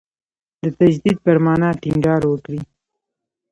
د تجدید پر معنا ټینګار وکړي.